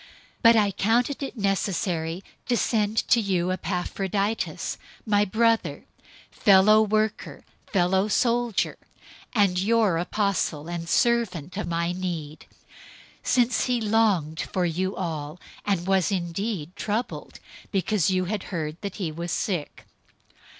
002:025 But I counted it necessary to send to you Epaphroditus, my brother, fellow worker, fellow soldier, and your apostle and servant of my need; 002:026 since he longed for you all, and was very troubled, because you had heard that he was sick.